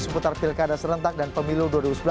seputar pilkada serentak dan pemilu dua ribu sembilan belas